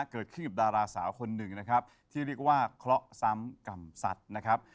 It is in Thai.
เกิดขึ้นกับดาราสาวคนหนึ่งนะครับที่เรียกว่าเคราะห์ซ้ำกรรมสัตว์นะครับ